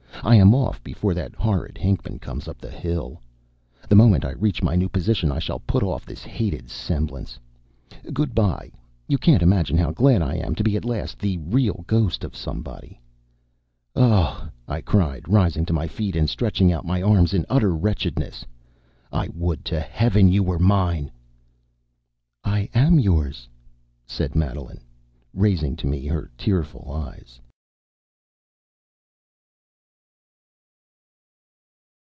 I am off before that horrid Hinckman comes up the hill. The moment I reach my new position, I shall put off this hated semblance. Good by. You can't imagine how glad I am to be, at last, the real ghost of somebody." "Oh!" I cried, rising to my feet, and stretching out my arms in utter wretchedness, "I would to Heaven you were mine!" "I am yours," said Madeline, raising to me her tearful eyes.